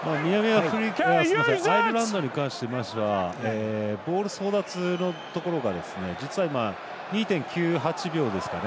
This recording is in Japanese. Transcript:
アイルランドに関してはボール争奪のところが実は今、２．９８秒ですかね